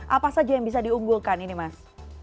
apa saja yang bisa diunggulkan ini mas